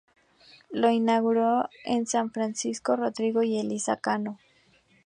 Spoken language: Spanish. Lo inauguraron Francisco Rodrigo y Elisa Cano.